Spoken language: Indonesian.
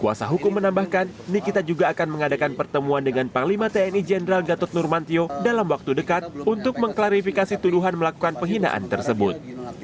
kuasa hukum menambahkan nikita juga akan mengadakan pertemuan dengan panglima tni jenderal gatot nurmantio dalam waktu dekat untuk mengklarifikasi tuduhan melakukan penghinaan tersebut